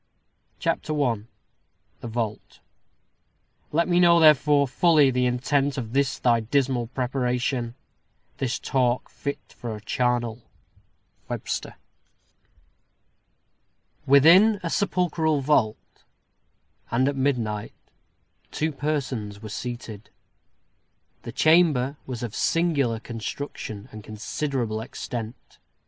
_ CHAPTER I THE VAULT Let me know, therefore, fully the intent Of this thy dismal preparation This talk fit for a charnel. WEBSTER. Within a sepulchral vault, and at midnight, two persons were seated. The chamber was of singular construction and considerable extent.